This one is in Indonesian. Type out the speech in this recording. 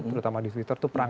terutama di twitter itu perang